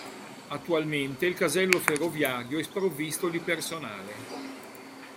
Attualmente il casello ferroviario è sprovvisto di personale.